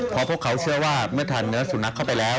เพราะพวกเขาเชื่อว่าเมื่อทานเนื้อสุนัขเข้าไปแล้ว